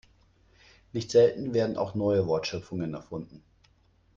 Nicht selten werden auch neue Wortschöpfungen erfunden.